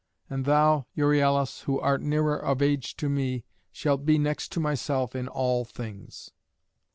And thou, Euryalus, who art nearer of age to me, shalt be next to myself in all things."